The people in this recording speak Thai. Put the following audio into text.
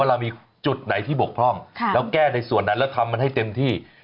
เวลามีจุดไหนที่บกพร่องแล้วแก้ในส่วนนั้นแล้วทำมันให้เต็มที่